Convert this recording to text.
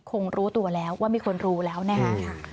คงรู้ตัวแล้วว่ามีคนรู้แล้วนะคะ